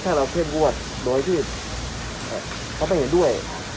เพราะว่าสิ่งที่เราทำ